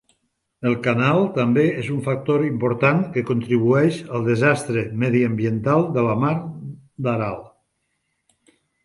El canal també és un factor important que contribueix al desastre mediambiental de la mar d'Aral.